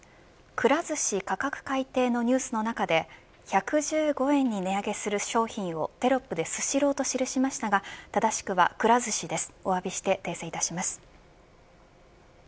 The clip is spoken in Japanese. くら寿司価格改定のニュースの中で１１５円に値上げする商品をテロップでスシローと示しましたが、正しくはくら寿司です。